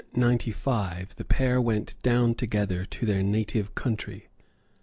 In 1695 the pair went down together to their native country.